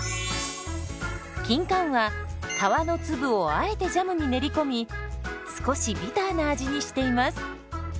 キンカンは皮の粒をあえてジャムに練り込み少しビターな味にしています。